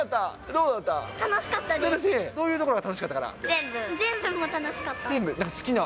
どういうところが楽しかったかな？